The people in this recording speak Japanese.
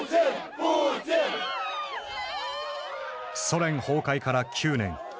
ソ連崩壊から９年。